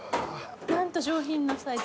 何と上品なサイズ。